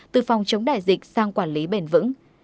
từ phòng chống đại dịch sang quản lý bền vững